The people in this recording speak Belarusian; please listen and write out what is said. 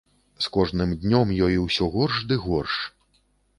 З кожным днём ёй усё горш ды горш.